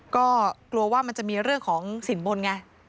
ก็กลัวว่ามันจะมีเรื่องของสินบนไง